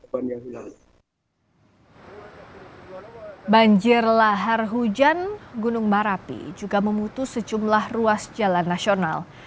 banjir lahar hujan gunung merapi juga memutus sejumlah ruas jalan nasional